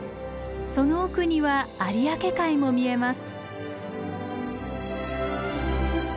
その奥には有明海も見えます。